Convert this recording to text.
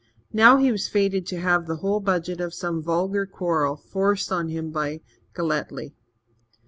Now he was fated to have the whole budget of some vulgar quarrel forced on him by Galletly.